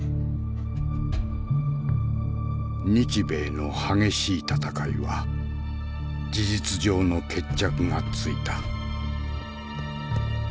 日米の激しい戦いは事実上の決着がついた。